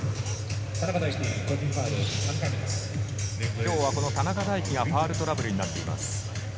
今日はこの田中大貴がファウルトラブルになっています。